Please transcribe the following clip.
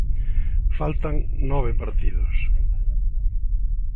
Faltan nove partidos.